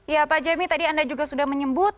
ya pak jemi tadi anda juga sudah menyebut